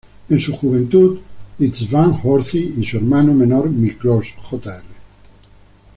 En su juventud, István Horthy y su hermano menor Miklós Jr.